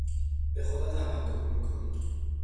به خدا توکل میکنیم.